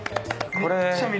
めっちゃ緑。